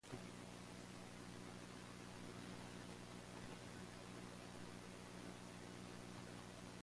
Boateng ended the season with another championship for Beitar Jerusalem.